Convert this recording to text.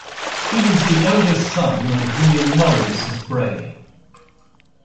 He was the eldest son of William Norreys of Bray.